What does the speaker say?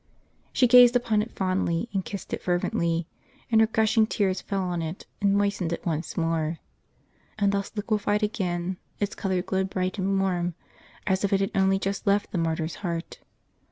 She gazed upon it fondly, and kissed it fervently ; and her gushing tears fell on it, and moistened it once more. And thus liquefied again, its color glowed bright and warm, as if it had only just left the martyr's heart.